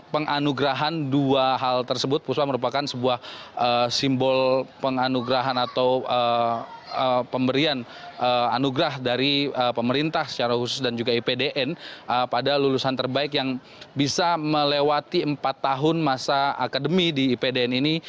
penganugerahan dua hal tersebut puspa merupakan sebuah simbol penganugerahan atau pemberian anugerah dari pemerintah secara khusus dan juga ipdn pada lulusan terbaik yang bisa melewati empat tahun masa akademi di ipdn ini